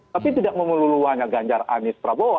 tapi tidak memeluluannya ganjar anies prabowo